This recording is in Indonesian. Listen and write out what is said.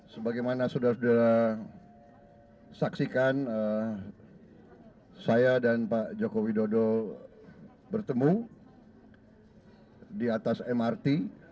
sebagaimana saudara saudara saksikan saya dan pak joko widodo bertemu di atas mrt